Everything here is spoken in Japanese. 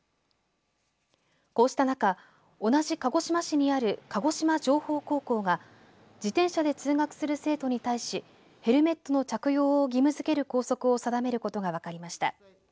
こうした中同じ鹿児島市にある鹿児島情報高校が自転車で通学する生徒に対しヘルメットの着用を義務づける校則を定めることが分かりました。